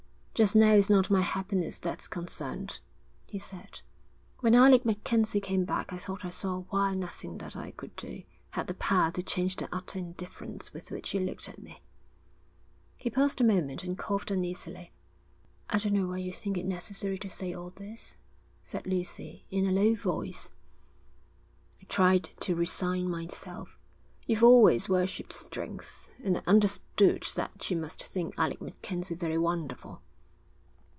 'Just now it's not my happiness that's concerned,' he said. 'When Alec MacKenzie came back I thought I saw why nothing that I could do, had the power to change the utter indifference with which you looked at me.' He paused a moment and coughed uneasily. 'I don't know why you think it necessary to say all this,' said Lucy, in a low voice. 'I tried to resign myself. You've always worshipped strength, and I understood that you must think Alec MacKenzie very wonderful.